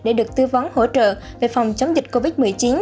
để được tư vấn hỗ trợ về phòng chống dịch covid một mươi chín